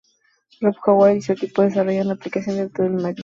Rob Howard y su equipo desarrollan la aplicación dentro de Microsoft.